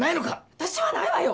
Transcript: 私はないわよ！